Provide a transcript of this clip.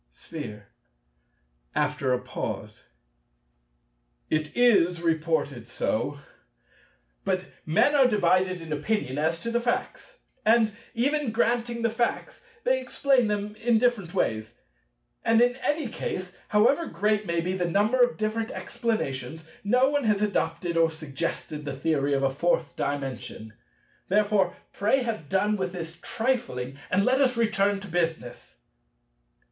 Sphere (after a pause). It is reported so. But men are divided in opinion as to the facts. And even granting the facts, they explain them in different ways. And in any case, however great may be the number of different explanations, no one has adopted or suggested the theory of a Fourth Dimension. Therefore, pray have done with this trifling, and let us return to business.